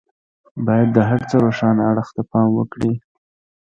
بايد د هر څه روښانه اړخ ته پام وکړي.